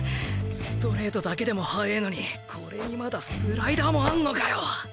ストレートだけでも速えのにこれにまだスライダーもあんのかよ！